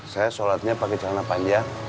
saya sholatnya pakai celana panjang